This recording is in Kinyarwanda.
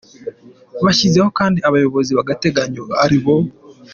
Bashyizeho kandi abayobozi b’agateganyo ari bo :